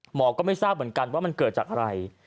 ก็ไม่ทราบเหมือนกันว่ามันเกิดจากอะไร